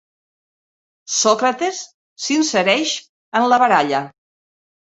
Sòcrates s'insereix en la baralla.